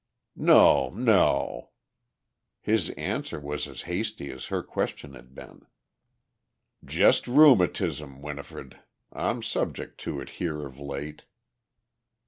"No, no." His answer was as hasty as her question had been. "Just rheumatism, Winifred. I'm subject to it here of late."